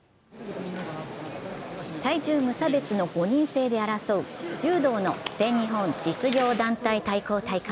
体重無差別の５人制で争う柔道の全日本実業団対抗大会。